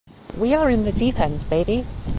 We are in the deep end baby.